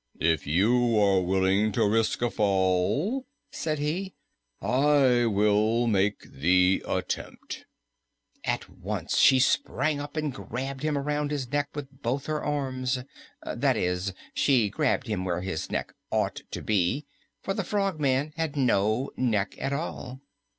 "If you are willing to risk a fall," said he, "I will make the attempt." At once she sprang up and grabbed him around his neck with both her arms. That is, she grabbed him where his neck ought to be, for the Frogman had no neck at all.